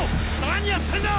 何やってんだ！